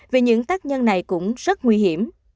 vì những tác nhân này cũng rất nguy hiểm